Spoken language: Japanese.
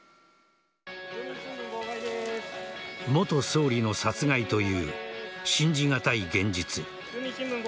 元総理の殺害という信じがたい現実。